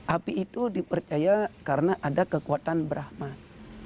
api itu dipercaya karena ada kekuatan brahmat